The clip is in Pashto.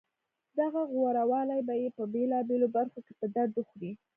دغه غورهوالی به یې په بېلابېلو برخو کې په درد وخوري